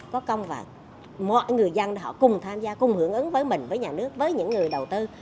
có công và mọi người dân họ cùng tham gia cùng hưởng ứng với mình với nhà nước với những người đầu tư